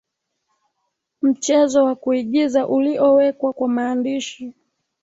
Mchezo wa kuigiza uliowekwa kwa maandishi.